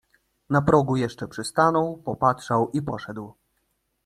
Na progu jeszcze przystanął, popatrzał i poszedł.